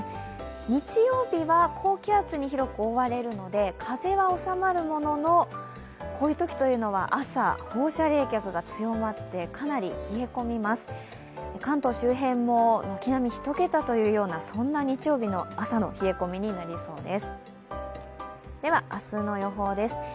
日曜日は高気圧に広く覆われるので風は収まるものの、こういうときというのは朝、放射冷却が強まってかなり冷え込みます関東周辺も軒並み１桁という日曜日の朝の冷え込みになりそうです。